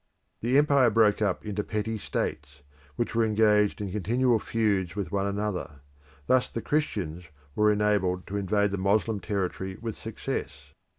The empire broke up into petty states, which were engaged in continual feuds with one another. Thus the Christians were enabled to invade the Moslem territory with success.